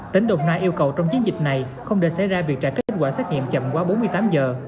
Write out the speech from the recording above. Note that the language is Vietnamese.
tỉnh đồng nai yêu cầu trong chiến dịch này không để xảy ra việc trả kết quả xét nghiệm chậm qua bốn mươi tám giờ